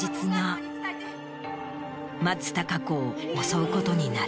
松たか子を襲うことになる。